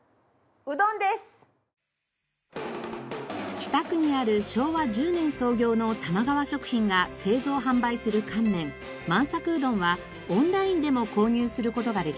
北区にある昭和１０年創業の玉川食品が製造販売する乾麺満さくうどんはオンラインでも購入する事ができます。